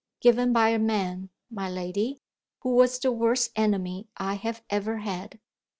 "Given by a man, my lady, who was the worst enemy I have ever had."